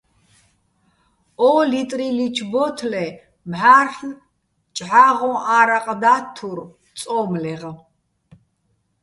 ო́ ლიტრილიჩო̆ ბო́თლე მჵარ'ლ ჭჵა́ღოჼ ა́რაყ და́თთურ "წო́მლეღ".